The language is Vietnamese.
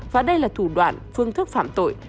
và đây là thủ đoạn phương thức phạm tội